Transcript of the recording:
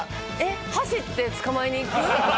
走って捕まえに行く？えっ？